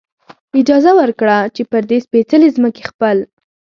اجازه ورکړه، چې پر دې سپېڅلې ځمکې خپل.